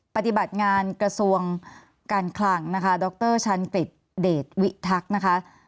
ปฏิบัติงานกระทรวงการคลังนะคะดรชันกฤษเดชวิทักษ์นะคะ